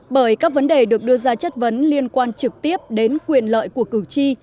bởi các vấn đề được đưa ra chất vấn liên quan trực tiếp đến quyền lợi của cựu trì